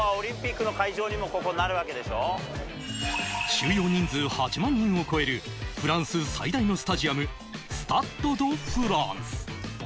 収容人数８万人を超えるフランス最大のスタジアム、スタッド・ド・フランス。